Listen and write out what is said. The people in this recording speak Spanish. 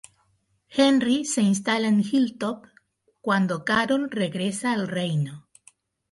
Henry se instala en Hilltop cuando Carol regresa al Reino.